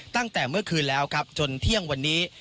ตั้งแต่เมื่อคืนแล้วครับจนเที่ยงวันนี้